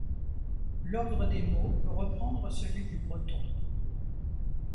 L'ordre des mots peut reprendre celui du breton.